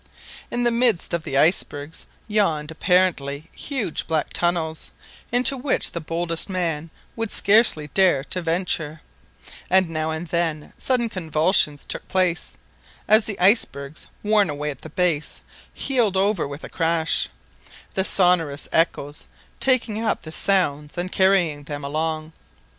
In the midst of the icebergs yawned apparently huge black tunnels, into which the boldest man would scarcely dare to venture, and now and then sudden convulsions took place, as the icebergs, worn away at the base, heeled over with a crash, the sonorous echoes taking up the sounds and carrying them along.